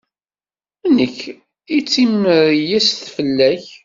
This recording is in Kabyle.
Nekk i d timreyyest fell-ak.